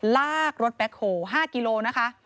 ลากรถแบ็คโฮ๕กิโลนะคะ